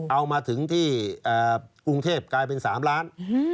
เอามาถึงที่กรุงเทพกลายเป็น๓ล้าน